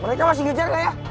mereka masih ngejar raya